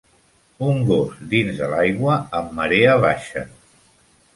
Un gos dins de l'aigua amb marea baixa